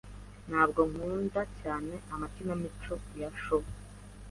Ntabwo nkunda cyane amakinamico ya Shaw.